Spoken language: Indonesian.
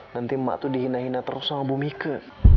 nanti emak tuh dihina hina terus sama ibu mika